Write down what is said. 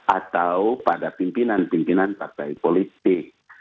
atau pada pimpinan pimpinan partai politik